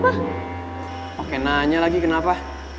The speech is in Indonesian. pakai nanya lagi kenapa